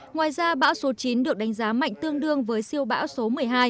ngoài ra bão số chín được đánh giá mạnh tương đương với siêu bão số một mươi hai